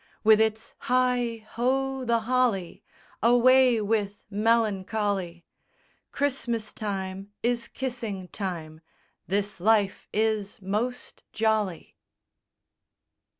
With its "heigh ho, the holly!" Away with melancholy! Christmas time is kissing time, "This life is most jolly!